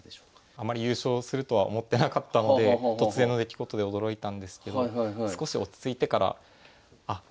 あまり優勝するとは思ってなかったので突然の出来事で驚いたんですけど少し落ち着いてからあ受けれるなと。